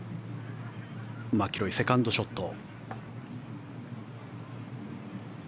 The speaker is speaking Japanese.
マキロイ、セカンドショット。